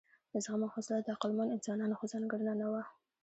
زغم او حوصله د عقلمنو انسانانو ښه ځانګړنه نه وه.